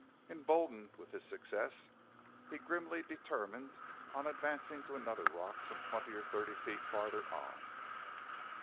Emboldened with his success he grimly determined on advancing to another rock some twenty or thirty feet farther on.